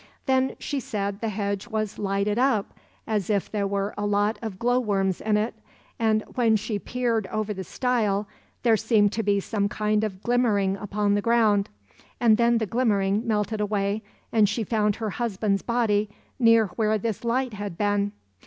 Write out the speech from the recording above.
Then she said the hedge was lighted up as if there were a lot of glow worms in it, and when she peered over the stile there seemed to be some kind of glimmering upon the ground, and then the glimmering melted away, and she found her husband's body near where this light had been.